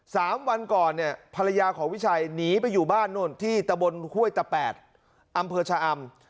สามวันก่อนเนี่ยภรรยาของวิชัยหนีไปอยู่บ้านโน่นที่ตะบนห้วยตะแปดอำเภอชะอำ